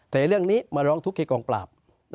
แต่เรื่องนี้ระลองทุกข์ใครกล่องปลาบ